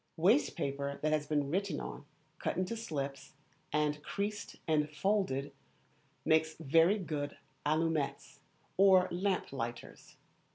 Waste paper that has been written on, cut into slips, and creased and folded, makes very good allumettes or lamp lighters.